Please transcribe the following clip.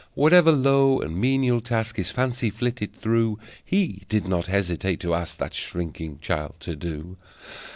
Whatever low and menial task His fancy flitted through, He did not hesitate to ask That shrinking child to do.